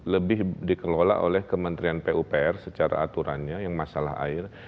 lebih dikelola oleh kementerian pupr secara aturannya yang masalah air